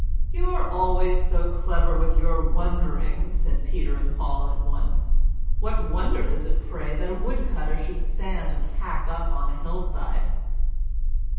"You're always so clever with your wonderings," said Peter and Paul both at once. "What wonder is it, pray, that a woodcutter should stand and hack up on a hillside?"